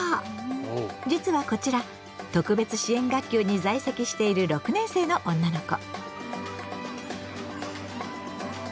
実はこちら特別支援学級に在籍している６年生の女の子。